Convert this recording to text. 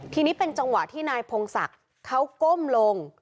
ทีนี้เป็นจังหวะที่นายพงศักดิ์เขาก้มลง